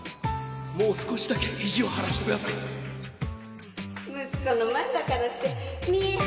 もう少しだけ意地を張らせてください